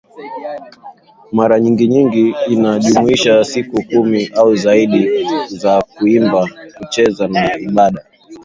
maranyingi inajumuisha siku kumi au zaidi za kuimba kucheza na ibada